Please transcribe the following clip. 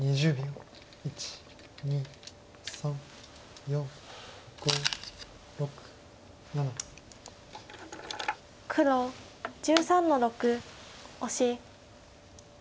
黒１３の六オシ。